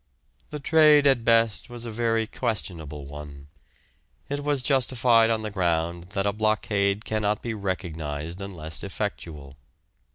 The trade at best was a very questionable one; it was justified on the ground that a blockade cannot be recognised unless effectual.